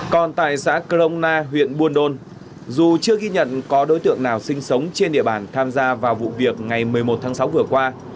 còn tại xã crona huyện buôn đôn dù chưa ghi nhận có đối tượng nào sinh sống trên địa bàn tham gia vào vụ việc ngày một mươi một tháng sáu vừa qua